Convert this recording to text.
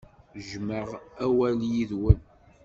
Jjmeɣ awal yid-wen.